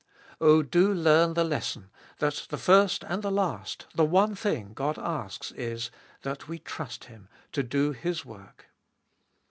Oh, do learn the lesson, that the first and the last, the one thing, God asks is — that we trust Him, to do His work.